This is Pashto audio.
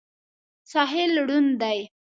ساحل ړوند دی.